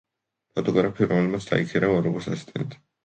ფოტოგრაფი რომელმაც დაიქირავა როგორც ასისტენტი.